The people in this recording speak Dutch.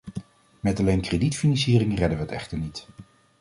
Met alleen kredietfinanciering redden we echter het niet.